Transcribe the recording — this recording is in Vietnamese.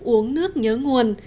uống nước nhớ nguồn